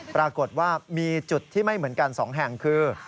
ปรากฏว่ามีจุดที่ไม่เหมือนกัน๒แห่งคือ